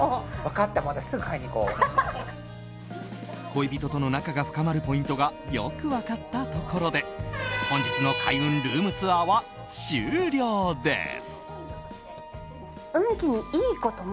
恋人との仲が深まるポイントがよく分かったところで本日の開運ルームツアーは終了です。